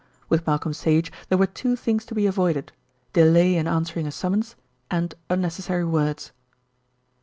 With Malcolm Sage there were two things to be avoided, delay in answering a summons, and unnecessary words.